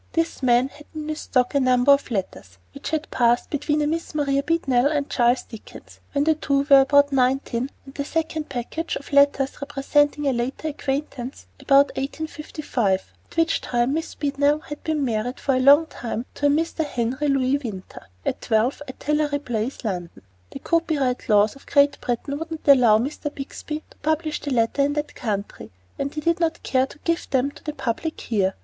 This man had in his stock a number of letters which had passed between a Miss Maria Beadnell and Charles Dickens when the two were about nineteen and a second package of letters representing a later acquaintance, about 1855, at which time Miss Beadnell had been married for a long time to a Mr. Henry Louis Winter, of 12 Artillery Place, London. The copyright laws of Great Britain would not allow Mr. Bixby to publish the letters in that country, and he did not care to give them to the public here.